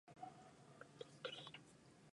El museo está abierto al público con cita previa.